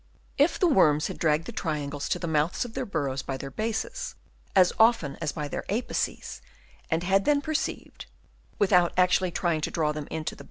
If the worms had dragged the triangles to the mouths of their burrows by their bases, as often as by their apices, and had then perceived, without actually trying to draw them into the 92 HABITS OF WOBMS. Chap. II.